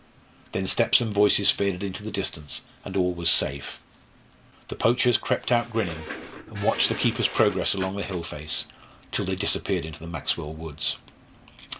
Then steps and voices faded into the distance and all was safe. The poachers crept out grinning, and watched the keepers' progress along the hill face, till they disappeared into the Maxwell woods.